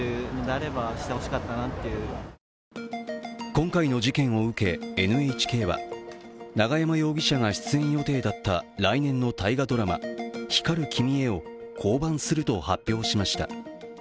今回の事件を受け、ＮＨＫは永山容疑者が出演予定だった来年の大河ドラマ「光る君へ」を降板すると発表しました。